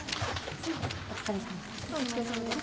お疲れさまです。